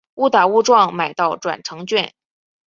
误打误撞买到转乘券